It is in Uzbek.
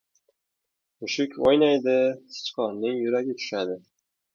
• Mushuk o‘ynaydi — sichqonning yuragi tushadi.